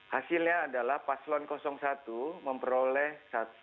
hasilnya adalah paslon satu memperoleh satu ratus dua puluh empat